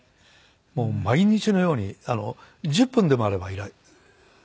もう毎日のように１０分でもあれば練習して。